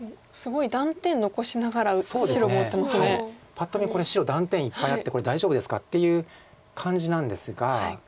パッと見これ白断点いっぱいあってこれ大丈夫ですかっていう感じなんですが。